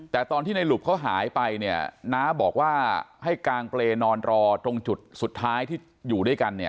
แต่ตอนที่ในหลุบเขาหายไปเนี่ยน้าบอกว่าให้กางเปรย์นอนรอตรงจุดสุดท้ายที่อยู่ด้วยกันเนี่ย